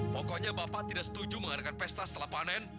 pokoknya bapak tidak setuju mengadakan pesta setelah panen